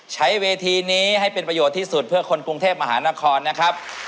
ใช้เวทีนี้ให้เป็นประโยชน์ที่สุดเพื่อคนกรุงเทพมหานครนะครับ